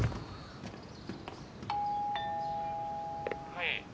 「はい」